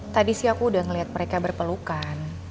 tadi sih aku udah ngeliat mereka berpelukan